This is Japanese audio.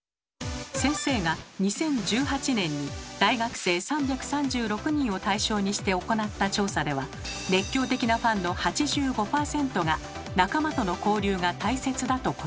先生が２０１８年に大学生３３６人を対象にして行った調査では熱狂的なファンの８５％が仲間との交流が大切だと答えました。